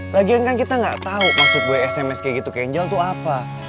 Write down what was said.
lagian kan kita gak tau masuk gue sms kayak gitu kayak angel tuh apa